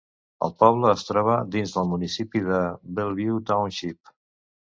El poble es troba dins del municipi de Bellevue Township.